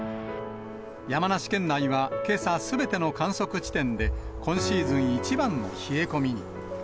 山梨県内はけさ、すべての観測地点で今シーズン一番の冷え込みに。